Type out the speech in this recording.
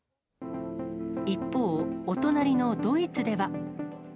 一方、お隣のドイツでは。